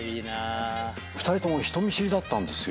２人とも人見知りだったんですよ